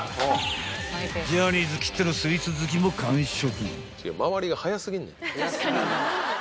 ［ジャニーズきってのスイーツ好きも完食］